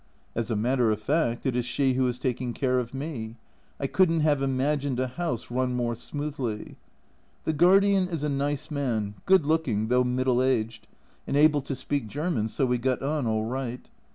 As a matter of fact it is she who is taking care of me ; I couldn't have imagined a house run more smoothly. The guardian is a nice man, good looking, though middle aged, and able to speak German, so we got on all right.